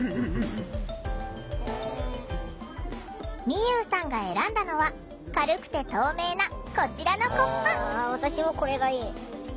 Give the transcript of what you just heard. みゆうさんが選んだのは軽くて透明なこちらのコップ。